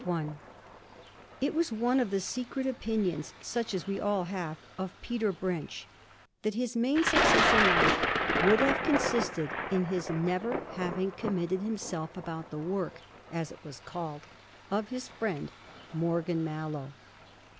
1900) I It was one of the secret opinions, such as we all have, of Peter Brench that his main success in life would have consisted in his never having committed himself about the work, as it was called, of his friend Morgan Mallow.